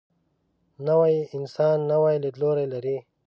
نوی انسان نوی لیدلوری لري